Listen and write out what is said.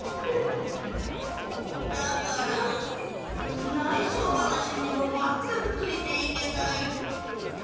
だからないしょばなしにもまったくついていけない。